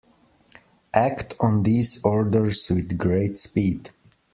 Act on these orders with great speed.